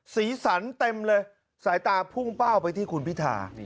สีสันเต็มเลยสายตาพุ่งเป้าไปที่คุณพิธา